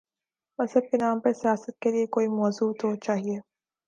مذہب کے نام پر سیاست کے لیے کوئی موضوع تو چاہیے۔